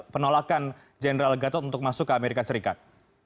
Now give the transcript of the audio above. penolakan general gatot untuk masuk ke amerika serikat